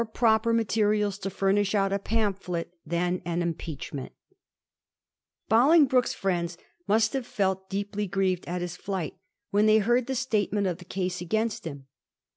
yi^ proper materials to fiimish out a pamphlet than aa impeachment/ Bolingbroke's fiiends must have felt deeply grieved at his flight when they heard the statement of the case against him.